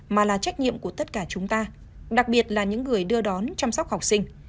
mà là trách nhiệm của tất cả chúng ta đặc biệt là những người đưa đón chăm sóc học sinh